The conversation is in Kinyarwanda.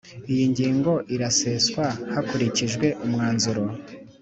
n iyi ngingo iraseswa hakurikijwe umwanzuro